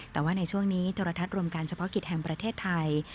แต่ว่าในช่วงนี้โทรทัศน์รวมการเฉพาะกิจแห่งประเทศไทย